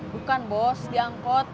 bukan bos di angkot